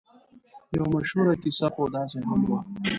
یوه مشهوره کیسه خو داسې هم وه.